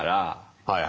はいはい。